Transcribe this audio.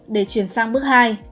để chuyển sang bước hai